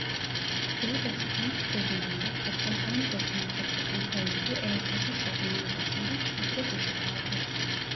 Buradaki ilk sezonunda toplam on beş maça çıkan oyuncu ertesi sezonun başında kadro dışı kaldı.